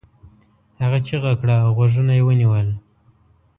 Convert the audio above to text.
هغه چیغه کړه او غوږونه یې ونيول.